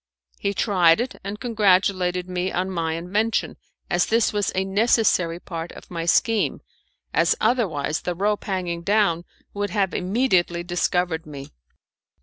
He tried it, and congratulated me on my invention, as this was a necessary part of my scheme, as otherwise the rope hanging down would have immediately discovered me.